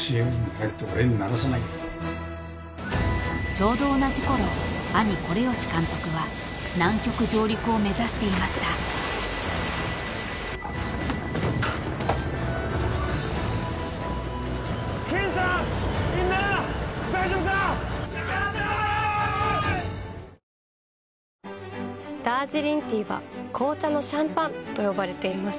［ちょうど同じころ兄惟繕監督は南極上陸を目指していました］ダージリンティーは紅茶のシャンパンと呼ばれています。